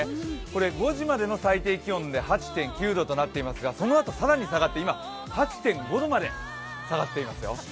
これ、５時までの最低気温で８．９度となっていますが、そのあと更に下がって今８．５度まで下がっていますよ。